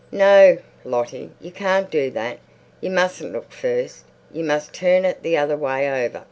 "No, Lottie, you can't do that. You mustn't look first. You must turn it the other way over."